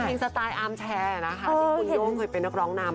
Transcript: สไตล์อาร์มแชร์นะคะที่คุณโย่งเคยเป็นนักร้องนำ